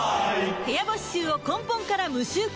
部屋干し臭を根本から無臭化